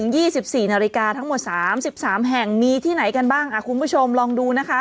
ยี่สิบสี่นาฬิกาทั้งหมดสามสิบสามแห่งมีที่ไหนกันบ้างอ่ะคุณผู้ชมลองดูนะคะ